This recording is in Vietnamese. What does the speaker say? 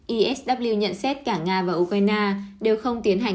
isw nhận xét cả nga và ukraine đều không tiến hành